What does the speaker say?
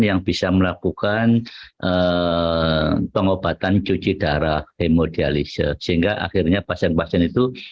yang bisa melakukan pengobatan cuci darah hemodialis sehingga akhirnya pasien pasien itu